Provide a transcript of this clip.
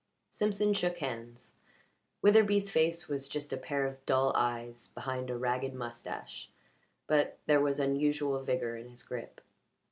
Simpson shook hands. Witherbee's face was just a pair of dull eyes behind a ragged moustache, but there was unusual vigour in his grip.